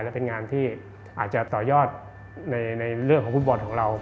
และเป็นงานที่อาจจะต่อยอดในเรื่องของฟุตบอลของเรา